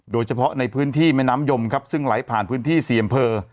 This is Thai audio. โดยเฉพาะในพื้นที่แม่น้ำยมครับซึ่งไหลผ่านพื้นที่๔อำเภอ